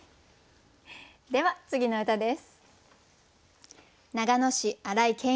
では次の歌です。